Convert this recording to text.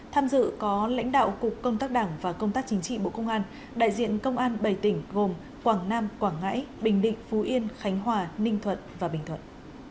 tham dự có lãnh đạo cục công tác đảng và công tác chính trị bộ công an đại diện công an bảy tỉnh gồm quảng nam quảng ngãi bình định phú yên khánh hòa ninh thuận và bình thuận